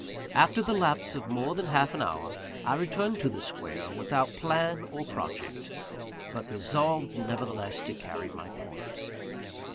After the lapse of more than half an hour, I returned to the square, without plan or project; but resolved, nevertheless, to carry my point.